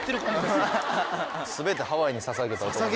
全てハワイにささげた男。